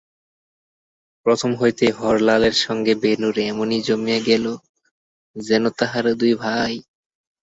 প্রথম হইতেই হরলালের সঙ্গে বেণুর এমনি জমিয়া গেল যেন তাহারা দুই ভাই।